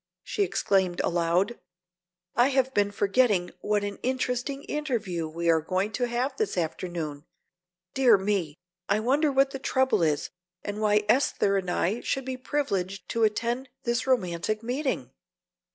she exclaimed aloud. "I have been forgetting what an interesting interview we are going to have this afternoon! Dear me, I wonder what the trouble is and why Esther and I should be privileged to attend this romantic meeting?